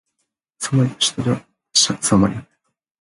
サンマリノの首都はサンマリノである